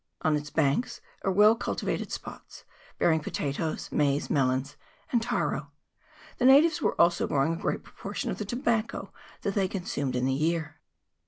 On its banks are well cultivated spots, bearing potatoes, maize, melons, and taro ; the natives were also growing a great proportion of the tobacco that they consumed in the year.